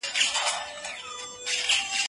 زه د تکړښت لپاره تللي دي!؟